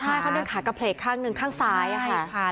ใช่เขาเดินขากระเพลกข้างหนึ่งข้างซ้ายค่ะ